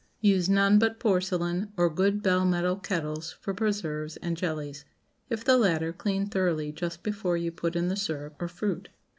Use none but porcelain, or good bell metal kettles for preserves and jellies. If the latter, clean thoroughly just before you put in the syrup or fruit.